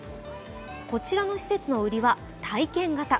こちらの施設の売りは体験型。